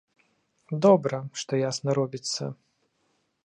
Добра, што ясна робіцца.